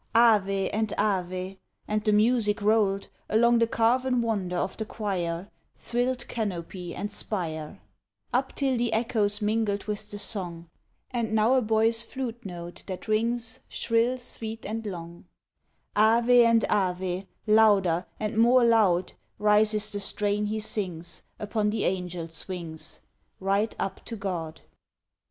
Ave and Ave! and the music rolled Along the carven wonder of the choir Thrilled canopy and spire, Up till the echoes mingled with the song; And now a boy's flute note that rings Shrill sweet and long, Ave and Ave, louder and more loud Rises the strain he sings, Upon the angel's wings! Right up to God!